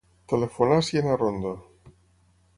Telefona a la Siena Arrondo.